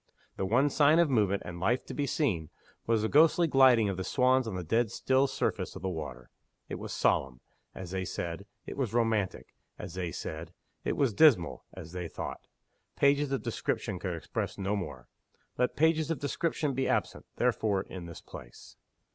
The one sign of movement and life to be seen was the ghostly gliding of the swans on the dead still surface of the water. It was solemn as they said; it was romantic as they said. It was dismal as they thought. Pages of description could express no more. Let pages of description be absent, therefore, in this place.